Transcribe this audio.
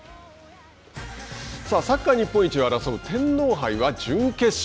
サッカー日本一を争う天皇杯は準決勝。